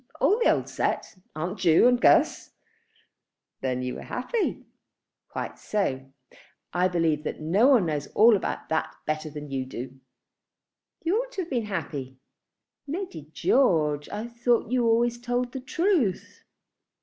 "All the old set. Aunt Ju and Guss." "Then you were happy." "Quite so. I believe that no one knows all about that better than you do." "You ought to have been happy." "Lady George, I thought you always told the truth."